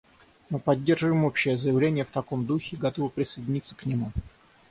Мы поддерживаем общее заявление в таком духе и готовы присоединиться к нему.